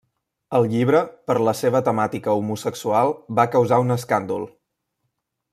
El llibre, per la seva temàtica homosexual, va causar un escàndol.